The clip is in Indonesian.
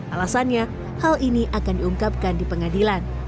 alasannya hal ini akan diungkapkan di pengadilan